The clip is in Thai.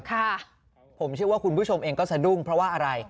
ค่ะผมเชื่อว่าคุณผู้ชมเองก็สะดุ้งเพราะว่าอะไร